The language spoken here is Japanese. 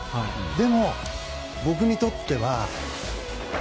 でも、僕にとっては。